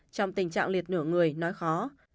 trong tình trạng liệt nửa người nói khó